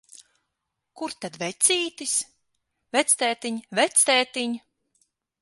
Kur tad vecītis? Vectētiņ, vectētiņ!